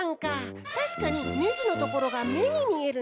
たしかにねじのところがめにみえるね。